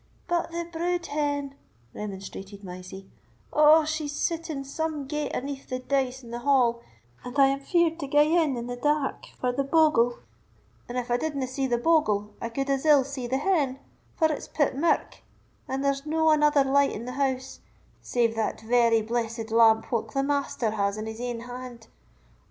"But the brood hen," remonstrated Mysie—"ou, she's sitting some gate aneath the dais in the hall, and I am feared to gae in in the dark for the bogle; and if I didna see the bogle, I could as ill see the hen, for it's pit mirk, and there's no another light in the house, save that very blessed lamp whilk the Master has in his ain hand.